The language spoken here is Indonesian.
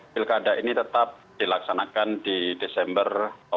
pilkada ini tetap dilaksanakan di desember dua ribu dua puluh